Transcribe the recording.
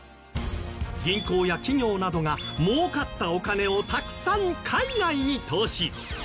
銀行や企業などが儲かったお金をたくさん海外に投資